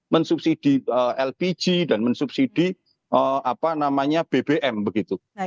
mensubsidi lpg dan mensubsidi bbm begitu